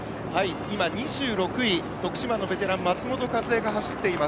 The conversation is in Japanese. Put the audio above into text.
２６位、徳島のベテラン松本一恵が走っています。